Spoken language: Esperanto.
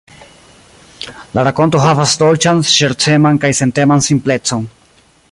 La rakonto havas dolĉan, ŝerceman kaj senteman simplecon.